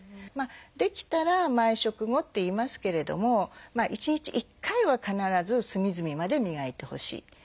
できたら毎食後っていいますけれども１日１回は必ず隅々まで磨いてほしい。